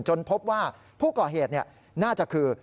พบว่าผู้ก่อเหตุน่าจะคือ